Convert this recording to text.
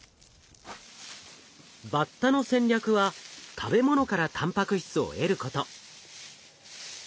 バッタの戦略は食べ物からたんぱく質を得ること。